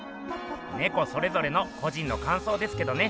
ネコそれぞれの個人の感想ですけどね。